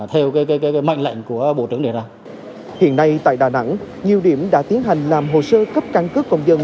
hiện nay tại đà nẵng nhiều điểm đã tiến hành làm hồ sơ cấp căn cứ công dân